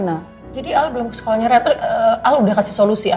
aku mau kesana